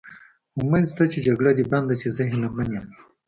امید شته چې جګړه دې بنده شي، زه هیله من یم.